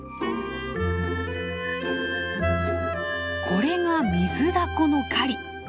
これがミズダコの狩り！